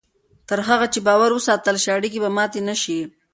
تر هغه چې باور وساتل شي، اړیکې به ماتې نه شي.